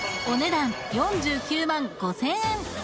お値段４９万５，０００円！